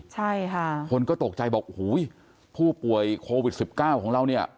ใช่ค่ะคนก็ตกใจบอกหูยผู้ป่วยโควิดสิบเก้าของเราเนี่ย